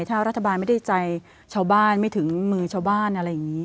ถ้ารัฐบาลไม่ได้ใจชาวบ้านไม่ถึงมือชาวบ้านอะไรอย่างนี้